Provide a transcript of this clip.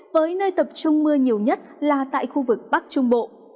với nơi tập trung mưa nhiều nhất là tại khu vực bắc trung bộ